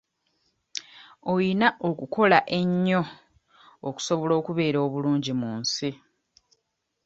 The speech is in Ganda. Oyina okukola ennyo okusobola okubeera obulungi mu nsi.